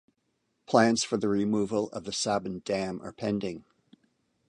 Plans for the removal of the Sabin Dam are pending.